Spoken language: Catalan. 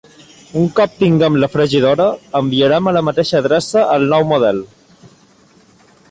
Un cop tinguem la fregidora, enviarem a la mateixa adreça el nou model.